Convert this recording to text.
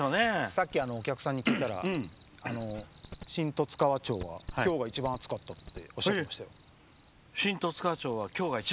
さっきお客さんに聞いたら新十津川町は今日が一番暑かったっておっしゃってましたよ。